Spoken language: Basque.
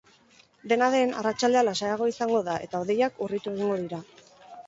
Dena den, arratsaldea lasaiagoa izango da eta hodeiak urritu egingo dira.